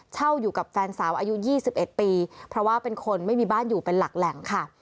เช่าอยู่กับแฟนสาวอายุ๒๑ปีเพราะว่าเป็นคนไม่มีบ้านอยู่เป็นหลักแหล่งค่ะ